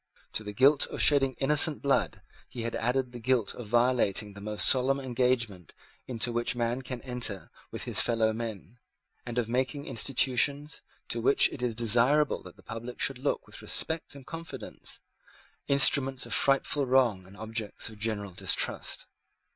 To the guilt of shedding innocent blood he has added the guilt of violating the most solemn engagement into which man can enter with his fellow men, and of making institutions, to which it is desirable that the public should look with respect and confidence, instruments of frightful wrong and objects of general distrust.